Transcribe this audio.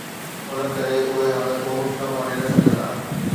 ان ڪري اهي حالتون سنڀالي نه سگهيا.